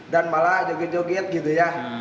dan malah joget joget gitu ya